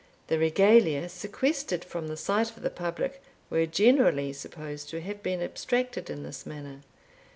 The Regalia, sequestered from the sight of the public, were generally supposed to have been abstracted in this manner.